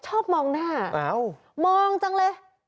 ชอบมองหน้ามองจังเลย